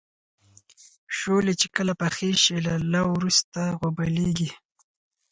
شولې چې کله پخې شي له لو وروسته غوبلیږي.